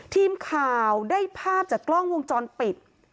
ทีมข่าวได้ภาพจากกล้องวงจรปิด